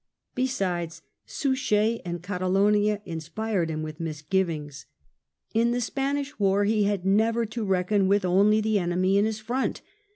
Besides, Suchet in Catalonia inspired him with misgivings. In the Spanish war he had never to reckon with only the enemy in his front.